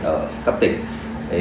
ở cấp tỉnh